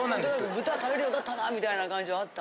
豚食べるようになったなみたいな感じはあった？